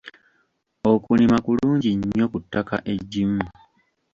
Okulima kulungi nnyo ku ttaka eggimu.